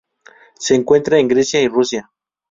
Se encuentra en Grecia y Rusia.